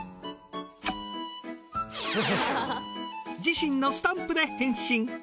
自身のスタンプで返信。